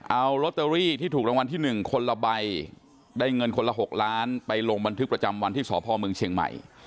เอาลอตเตอรี่ที่ถูกรางวัลที่๑คนละใบได้เงินคนละ๖ล้านไปลงบันทึกประจำวันที่สพเมืองเชียงใหม่